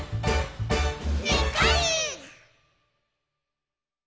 「にっこり！」